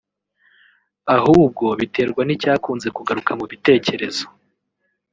ahubwo biterwa n’icyakunze kugaruka mu bitekerezo